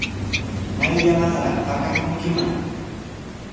¿Mayllamanraq pakakunkiman?